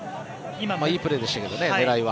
今もいいプレーでしたけどね狙いは。